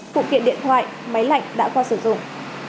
phụ kiện điện thoại máy lạnh đã qua sử dụng